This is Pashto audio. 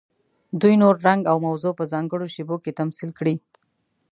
دوی نور، رنګ او موضوع په ځانګړو شیبو کې تمثیل کړي.